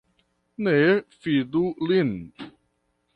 Ne fidu lin.